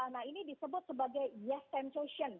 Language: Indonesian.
nah ini disebut sebagai yes centration